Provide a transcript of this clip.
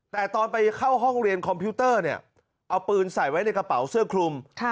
แต่ตอนไปเข้าห้องเรียนคอมพิวเตอร์เนี่ยเอาปืนใส่ไว้ในกระเป๋าเสื้อคลุม